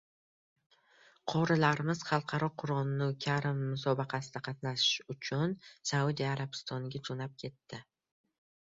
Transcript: Qorilarimiz xalqaro Qur’oni karim musobaqasida qatnashish uchun Saudiya Arabistoniga jo‘nab ketishdi